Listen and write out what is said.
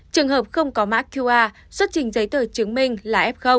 trường hợp không có mã qr xuất trình giấy tờ chứng minh là f